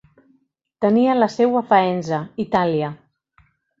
Tenia la seu a Faenza, Itàlia.